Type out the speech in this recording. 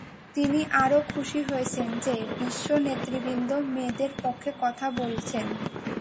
তিনি আরও খুশি হয়েছেন যে, বিশ্ব নেতৃবৃন্দ মেয়েদের পক্ষে কথা বলছেন।